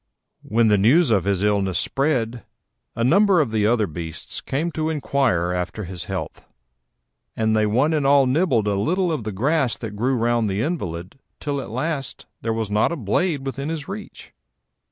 When the news of his illness spread, a number of the other beasts came to inquire after his health, and they one and all nibbled a little of the grass that grew round the invalid till at last there was not a blade within his reach.